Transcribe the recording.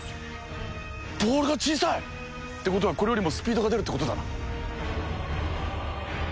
ボールが小さい！ってことはこれよりもスピードが出るってことだ。